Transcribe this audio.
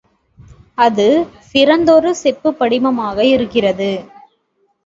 அது சிறந்ததொரு செப்புப்படிமமாக இருக்கிறது.